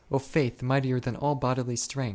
O faith mightier than all bodily strength